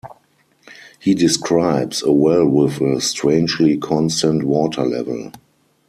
He describes a well with a strangely constant water level.